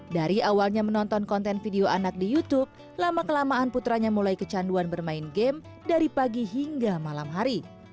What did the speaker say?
dari awalnya menonton konten video anak di youtube lama kelamaan putranya mulai kecanduan bermain game dari pagi hingga malam hari